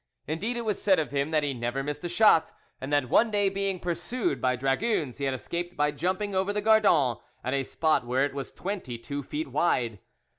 Indeed, it was said of him that he never missed a shot, and that one day being pursued by dragoons he had escaped by jumping over the Gardon at a spot where it was twenty two feet wide.